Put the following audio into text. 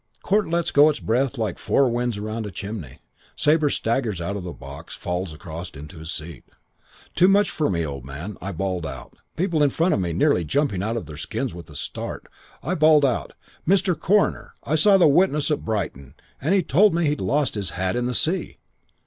Court lets go its breath like the four winds round a chimney. Sabre staggers out of the box. Falls across into his seat. "Too much for me, old man. I bawled out, people in front of me nearly jumping out of their skins with the start, I bawled out, 'Mr. Coroner, I saw the witness at Brighton, and he told me he'd lost his hat in the sea.'